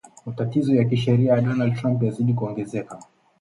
Matatizo ya kisheria ya Donald Trump yazidi kuongezeka